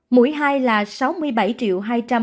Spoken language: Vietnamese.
mũi hai là sáu mươi bảy hai trăm hai mươi một trăm bốn mươi liều